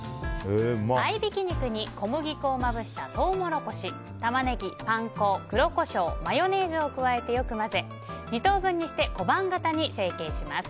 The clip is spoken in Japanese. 合いびき肉に小麦粉をまぶしたトウモロコシ、タマネギパン粉、黒コショウマヨネーズを加えてよく混ぜ２等分にして小判形に成形します。